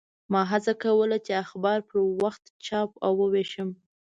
ما هڅه کوله چې اخبار پر وخت چاپ او ووېشم.